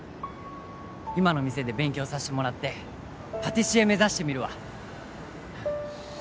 今の店で勉強させてもらってパティシエ目指してみるわ